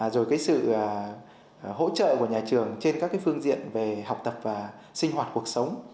rồi cái sự hỗ trợ của nhà trường trên các cái phương diện về học tập và sinh hoạt cuộc sống